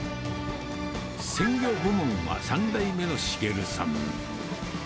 鮮魚部門は３代目の茂さん。